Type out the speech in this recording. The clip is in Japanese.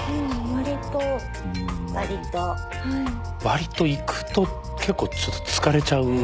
割と行くと結構ちょっと疲れちゃう。